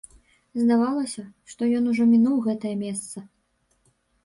Здавалася, што ён ужо мінуў гэтае месца.